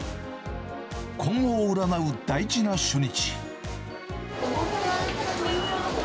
今後を占う大事な初日。